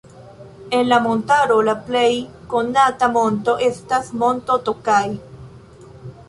En la montaro la plej konata monto estas Monto Tokaj.